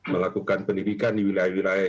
melakukan pendidikan di wilayah wilayah